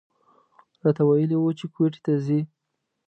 راته ویلي و چې کویټې ته ځي.